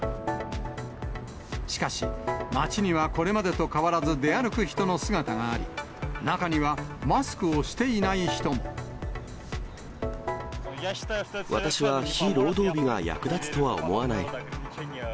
しかし、街にはこれまでと変わらず出歩く人の姿があり、中には、マスクを私は非労働日が役立つとは思わない。